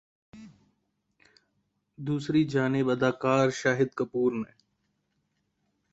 دوسری جانب اداکار شاہد کپور نے